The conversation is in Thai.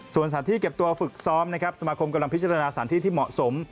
ส่วนสถานที่เก็บตัวฝึกซ้อมนะครับสมาคมกำลังพิจารณาสถานที่ที่เหมาะสม